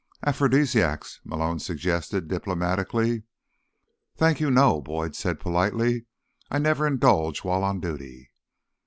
"Aphrodisiacs," Malone suggested diplomatically. "Thank you, no," Boyd said politely. "I never indulge while on duty."